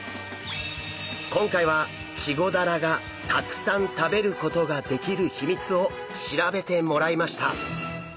今回はチゴダラがたくさん食べることができる秘密を調べてもらいました。